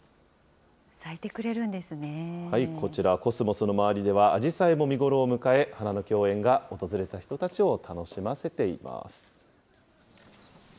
こちら、コスモスの周りでは、アジサイも見頃を迎え、花の共演が訪れた人たちを楽しませています。